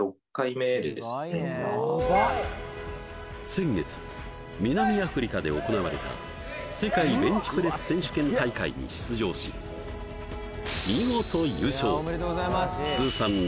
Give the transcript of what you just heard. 先月南アフリカで行われた世界ベンチプレス選手権大会に出場し見事優勝！